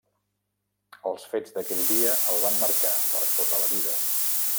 Els fets d'aquell dia el van marcar per tota la vida.